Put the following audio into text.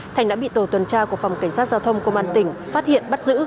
thành đã bị tổ tuần tra của phòng cảnh sát giao thông công an tỉnh phát hiện bắt giữ